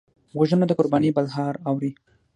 غوږونه د قربانۍ بلهار اوري